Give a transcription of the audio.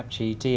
xin kính chào